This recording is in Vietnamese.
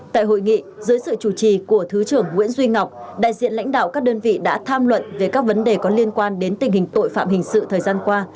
tại hội nghị dưới sự chủ trì của thứ trưởng nguyễn duy ngọc đại diện lãnh đạo các đơn vị đã tham luận về các vấn đề có liên quan đến tình hình tội phạm hình sự thời gian qua